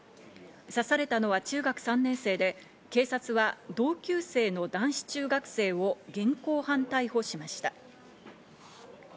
刺されたのは中学３年生で警察は同級生の男子中学生を現行犯逮捕しました。